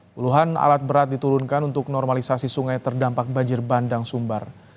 puluhan alat berat diturunkan untuk normalisasi sungai terdampak banjir bandang sumbar